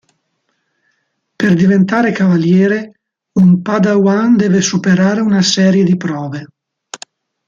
Per diventare cavaliere, un padawan deve superare una serie di prove.